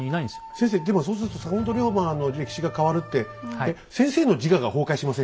先生でもそうすると坂本龍馬の歴史が変わるって先生の自我が崩壊しませんか？